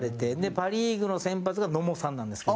パ・リーグの先発が野茂さんなんですけど。